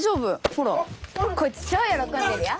ほらこいつ超喜んでるよ。